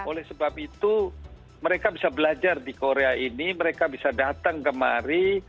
oleh sebab itu mereka bisa belajar di korea ini mereka bisa datang kemari